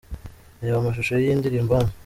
Reba amashusho y’iyi ndirimbo hano :.